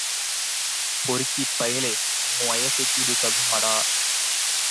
பொறுக்கிப் பயலே.... ஒண் வயசுக்கு இது தகுமாடா?